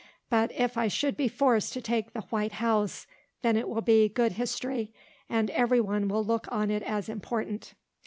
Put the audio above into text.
But if I should be forced to take the "white house," then it will be good history; and every one will look on it as important.